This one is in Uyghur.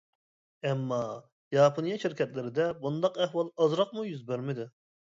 ئەمما، ياپونىيە شىركەتلىرىدە بۇنداق ئەھۋال ئازراقمۇ يۈز بەرمىدى.